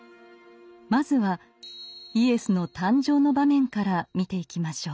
まずはイエスの誕生の場面から見ていきましょう。